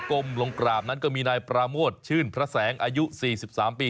ก้มลงกราบนั้นก็มีนายปราโมทชื่นพระแสงอายุ๔๓ปี